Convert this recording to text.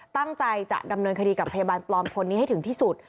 ตั้งใจจะดำเนินคดีกับพยาบาลปลอมคนนี้ให้ถึงที่สุด